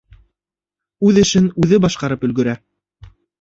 Үҙ эшен үҙе башҡарып өлгөрә.